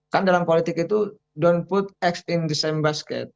kan dalam politik itu down put x in the same basket